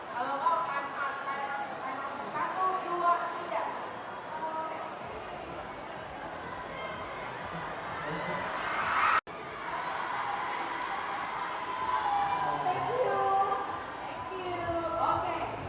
ขอบคุณมากสวัสดีครับ